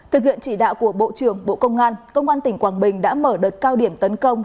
thực hiện chỉ đạo của bộ trưởng bộ công an công an tỉnh quảng bình đã mở đợt cao điểm tấn công